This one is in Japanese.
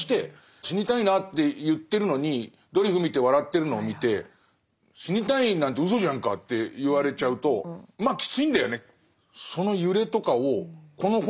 「死にたいな」って言ってるのにドリフ見て笑ってるのを見て「死にたいなんてうそじゃんか」って言われちゃうとまあきついんだよね。